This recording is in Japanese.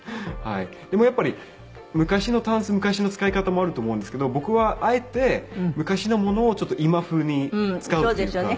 でもやっぱり昔のタンス昔の使い方もあると思うんですけど僕はあえて昔のものを今風に使うっていうか。